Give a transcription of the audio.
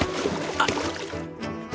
あっ。